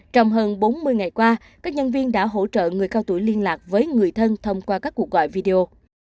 trong hơn bốn mươi ngày qua các nhân viên đã hỗ trợ người cao tuổi liên lạc với người thân thông qua các cuộc gọi video